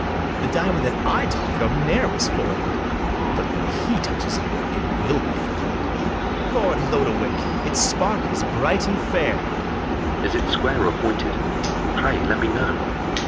BARABAS. The diamond that I talk of ne'er was foil'd: But, when he touches it, it will be foil'd. [Aside.] Lord Lodowick, it sparkles bright and fair. LODOWICK. Is it square or pointed? pray, let me know.